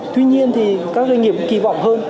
tuy nhiên thì các doanh nghiệp cũng kỳ vọng hơn